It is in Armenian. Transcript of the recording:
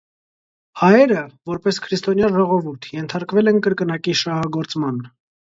Հայերը, որպես քրիստոնյա ժողովուրդ, ենթարկվել են կրկնակի շահագործման։